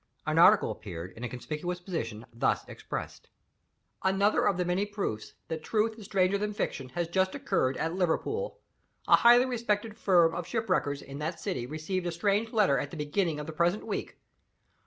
An article appeared, in a conspicuous position, thus expressed: "Another of the many proofs that truth is stranger than fiction has just occurred at Liverpool. A highly respected firm of shipwreckers in that city received a strange letter at the beginning of the present week.